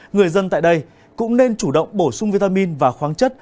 người dân tại đây cũng nên chủ động bổ sung vitamin và khoáng chất